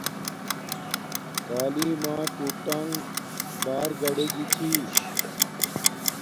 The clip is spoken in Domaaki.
تعیلم ما ٹوٹانݣ بار گاڈے گی چھی